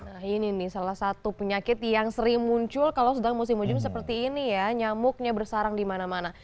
nah ini nih salah satu penyakit yang sering muncul kalau sedang musim hujan seperti ini ya nyamuknya bersarang di mana mana